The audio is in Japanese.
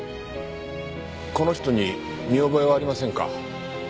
この人に見覚えはありませんか？